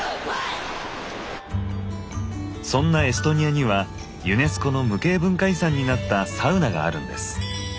そんなエストニアにはユネスコの無形文化遺産になったサウナがあるんです。